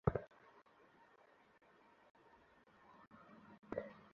বাংলাদেশ প্রশ্নটি আলোচনায় অন্তর্ভুক্ত করার চেষ্টা হয়, কিন্তু তাতে তেমন সমর্থন মেলেনি।